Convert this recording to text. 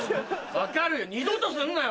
分かるよ二度とするなよ。